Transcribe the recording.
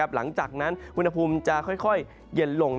หลังจากนั้นอุณหภูมิจะค่อยเย็นลง